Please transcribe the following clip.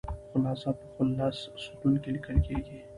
خلاصه په خلص ستون کې لیکل کیږي.